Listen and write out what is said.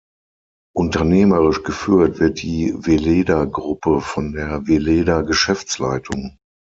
Unternehmerisch geführt wird die Weleda Gruppe von der Weleda Geschäftsleitung.